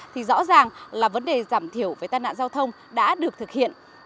thì rõ ràng là vấn đề giảm thiểu về tai nạn giao thông đã được thực hiện